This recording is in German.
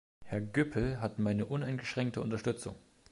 Herr Goepel hat meine uneingeschränkte Unterstützung.